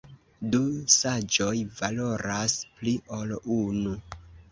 Du saĝoj valoras pli ol unu!